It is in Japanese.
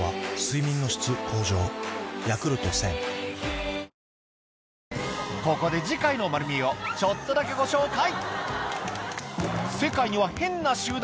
果たしてここで次回の『まる見え！』をちょっとだけご紹介